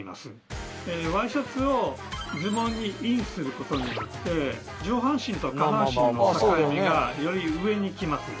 ワイシャツをズボンにインすることによって上半身と下半身の境目がより上に来ます。